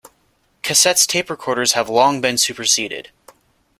Cassettes tape recorders have long been superseded.